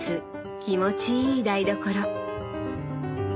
気持ちいい台所。